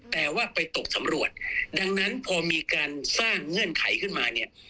แต่ว่าไปตกสำรวจดังนั้นพอมีการสร้างเงื่อนไขขึ้นมาเนี่ย